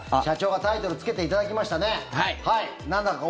社長からタイトルつけていただきましたね。